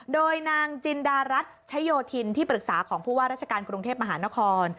โดยนางจินดารัฐชะโยธินที่ปรึกษาของผู้ว่าราชการกรุงเทพมหานคร